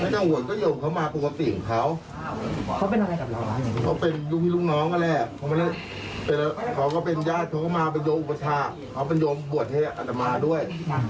พระเจ้าหวัดเขามาปกติของเขาเขาเป็นลูกน้องก็แหละเขาก็เป็นญาติเขาก็มาเป็นโยงอุปชาติเขาเป็นโยงบวชเทศอัตมาด้วย